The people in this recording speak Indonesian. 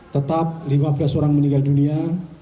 tetap lima belas orang meninggal dunia